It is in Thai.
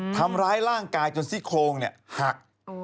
ทำร้ายร่างกายจนซี่โครงหัก